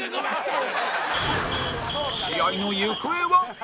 試合の行方は？